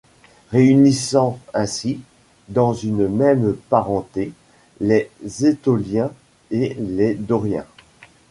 Réunissant ainsi, dans une même parenté, les Etoliens et les Doriens.